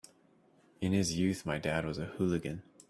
In his youth my dad was a hooligan.